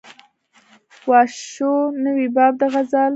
وا شو نوی باب د غزل